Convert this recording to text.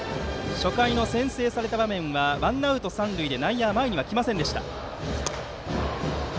初回の先制された場面はワンアウト三塁で内野は前にはきませんでした。